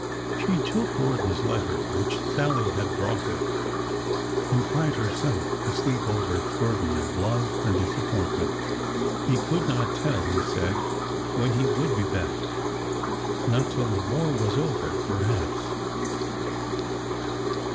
She took Gordon's letter, which Sallie had brought her, and cried herself to sleep over its burden of love and disappointment. He could not tell, he said, when he would be back — not till the war was over, perhaps.